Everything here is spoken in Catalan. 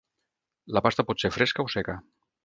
La pasta pot ser: fresca o seca.